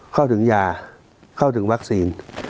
เข้าถึงยาเข้าถึงวัคซีน